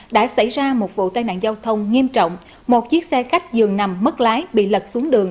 đã xảy ra một vụ tai nạn giao thông nghiêm trọng một chiếc xe khách dường nằm mất lái bị lật xuống đường